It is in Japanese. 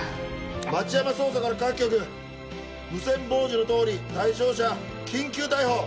町山捜査から各局無線傍受の通り対象者緊急逮捕。